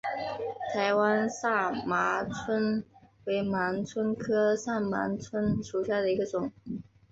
台湾萨盲蝽为盲蝽科萨盲蝽属下的一个种。